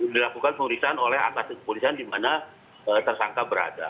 dilakukan penulisan oleh atasnya kepolisian di mana tersangka berada